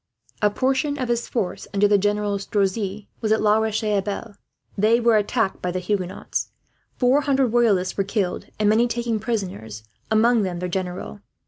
A part of his force, under General Strozzi, was at La Roche Abeille. They were attacked by the Huguenots. Four hundred Royalists were killed, and many taken prisoners, among them their general.